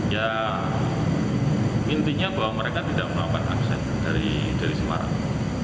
ya intinya bahwa mereka tidak melakukan akses dari semarang